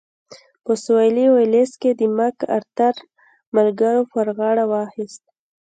په سوېلي ویلز کې د مک ارتر ملګرو پر غاړه واخیست.